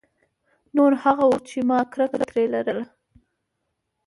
نور هغه وو چې ما کرکه ترې لرله.